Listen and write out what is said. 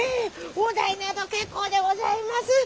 お代など結構でございます！